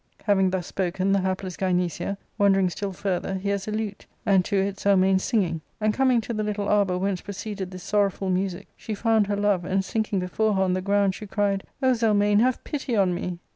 Having thus spoken, the hapless Gynecia, wandering still further, hears a lute, and to it Zelmane singing ; and, coming to the little arbour whence proceeded this sorrowful music, she found het love, and, sinking before her on the ground, she cried, " O Zelmane, have pity on me."